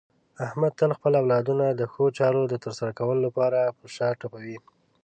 احمد تل خپل اولادونو د ښو چارو د ترسره کولو لپاره په شا ټپوي.